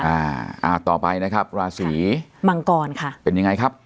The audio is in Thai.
อ่าอ่าต่อไปนะครับราศีมังกรค่ะเป็นยังไงครับ